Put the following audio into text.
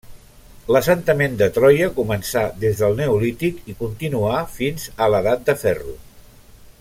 L'assentament de Troia començà des del neolític i continuà fins a l'edat de ferro.